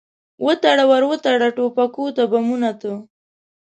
وتړه، ور وتړه ټوپکو ته، بمونو ته